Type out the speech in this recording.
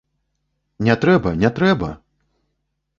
Не трэба, не трэба!